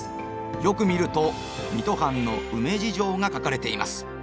よく見ると水戸藩のウメ事情が書かれています。